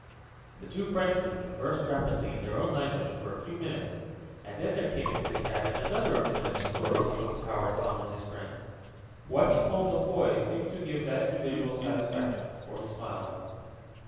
The two Frenchmen conversed rapidly in their own language for a few minutes, and then there came into the cabin another of the men who had helped overpower Tom and his friends. What he told La Foy seemed to give that individual satisfaction, for he smiled.